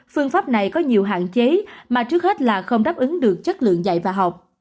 phương pháp này có nhiều hạn chế mà trước hết là không đáp ứng được chất lượng dạy và học